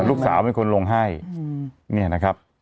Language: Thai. ลูกสาวเป็นคนลงให้เนี่ยนะครับ